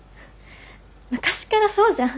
昔からそうじゃん。